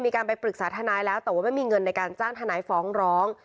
มีการไปปรึกษาทนายแล้วแต่ว่าไม่มีเงินในการจ้างทนายฟ้องร้อง